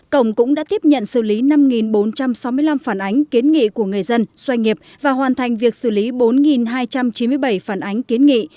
cổng cũng đã tiếp nhận xử lý năm bốn trăm sáu mươi năm phản ánh kiến nghị của người dân xoay nghiệp và hoàn thành việc xử lý bốn hai trăm chín mươi bảy phản ánh kiến nghị